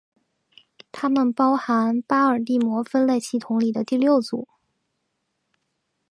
它们包含巴尔的摩分类系统里的第六组。